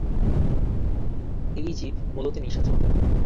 এই জীব মুলত নিশাচর।